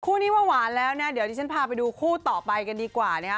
คู่นี้ว่าหวานแล้วนะเดี๋ยวดิฉันพาไปดูคู่ต่อไปกันดีกว่านะฮะ